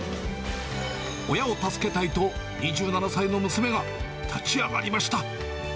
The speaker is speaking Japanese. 親を助けたいと、２７歳の娘が立ち上がりました。